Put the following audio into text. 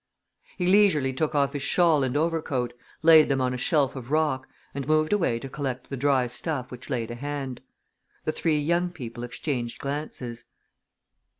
He leisurely took off his shawl and overcoat, laid them on a shelf of rock, and moved away to collect the dry stuff which lay to hand. The three young people exchanged glances.